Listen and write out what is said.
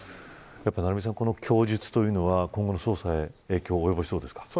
成三さん、この供述というのは今後の捜査に影響を及ぼしそうですか。